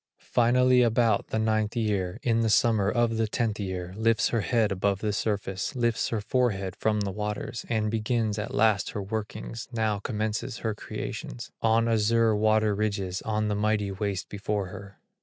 Finally about the ninth year, In the summer of the tenth year, Lifts her head above the surface, Lifts her forehead from the waters, And begins at last her workings, Now commences her creations, On the azure water ridges, On the mighty waste before her.